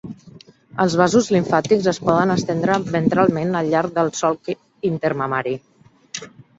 Els vasos limfàtics es poden estendre ventralment al llarg del solc intermamari.